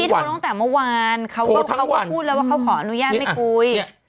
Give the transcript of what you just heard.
พี่โทรตั้งแต่เมื่อวานเขาก็กลัวว่าเขาจะขออนุญาตนี่พูด